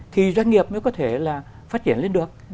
thì doanh nghiệp mới có thể là phát triển lên được